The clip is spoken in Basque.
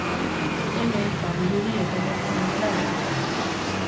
Hemen, badirudi eten egiten dela denbora.